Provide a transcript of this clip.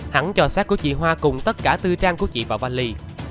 hắn cho sát của chị hoa cùng tất cả tư trang của chị vào vali